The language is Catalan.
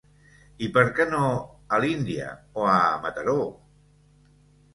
I per què no a l'Índia, o a Mataró?